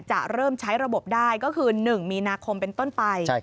จะเริ่มใช้ระบบได้ก็คือ๑มีนาคมเป็นต้นไป